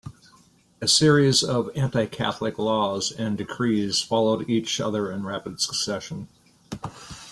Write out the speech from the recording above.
A series of anti-Catholic laws and decrees followed each other in rapid succession.